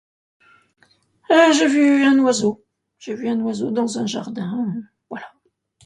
j'ai vu un oiseau dans un jardin, voila